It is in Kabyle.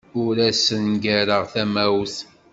Ur asen-ggareɣ tamawt.